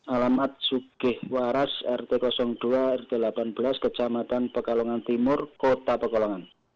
alamat sugihwaras rt dua rt delapan belas kecamatan pekalongan timur kota pekalongan